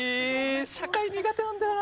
社会苦手なんだよな。